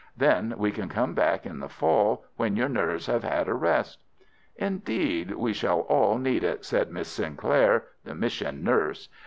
Then we can come back in the fall, when your nerves have had a rest." "Indeed, we shall all need it," said Miss Sinclair, the mission nurse.